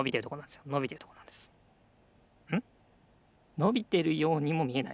のびてるようにもみえない？